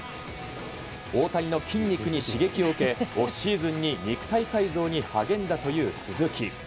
大谷の筋肉に刺激を受けオフシーズンに肉体改造に励んだという鈴木。